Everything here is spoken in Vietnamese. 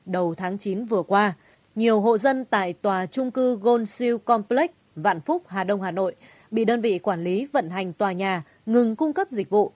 đầu tháng chín vừa qua nhiều hộ dân tại tòa trung cư gold siêu complex vạn phúc hà đông hà nội bị đơn vị quản lý vận hành tòa nhà ngừng cung cấp dịch vụ